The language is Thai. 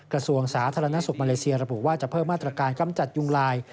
กระทรวงสาธารณสุขมาเลเซียระบุว่าจะเพิ่มมาตรการกำจัดยุงลาย